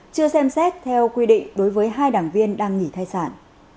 chưa xem xét theo quy định đối với hai đảng viên đang nghỉ thai sản